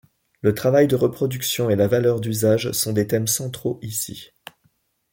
Le travail de reproduction et la valeur d'usage sont des thèmes centraux ici.